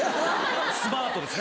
スマートですね？